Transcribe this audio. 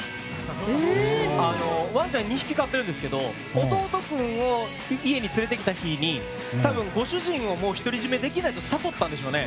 ワンちゃん２匹飼っているんですけど、弟君を家に連れてきた日に多分、ご主人をもう独り占めできないと悟ったんでしょうね。